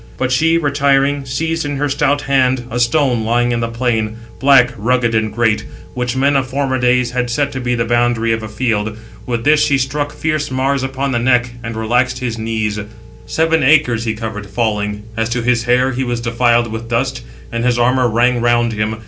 But she, retiring, seized in her stout hand a stone lying in the plain, black, rugged, and great, which men of former days had set to be the boundary of a field. 684 With this she struck fierce Mars upon the neck, and relaxed his knees. Seven acres he covered, falling; as to his hair he was defiled with dust; and his armour rang round him.